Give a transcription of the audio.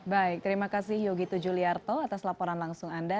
baik terima kasih yogi tujuliarto atas laporan langsung anda